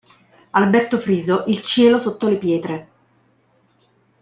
Alberto Friso Il cielo sotto le pietre.